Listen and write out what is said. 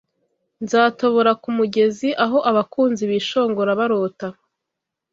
Nzatobora kumugezi Aho abakunzi bishongora barota